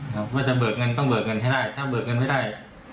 ว่าจะเบิกเงินต้องเบิกเงินให้ได้ถ้าเบิกเงินให้ได้